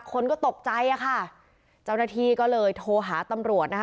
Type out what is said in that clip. คนก็ตกใจอะค่ะเจ้าหน้าที่ก็เลยโทรหาตำรวจนะคะ